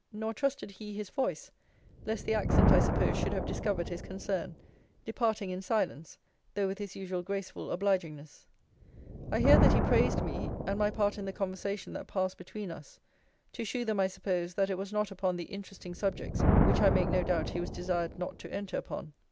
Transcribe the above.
Nor trusted he his voice, lest the accent I suppose should have discovered his concern; departing in silence; though with his usual graceful obligingness. I hear that he praised me, and my part in the conversation that passed between us. To shew them, I suppose, that it was not upon the interesting subjects which I make no doubt he was desired not to enter upon.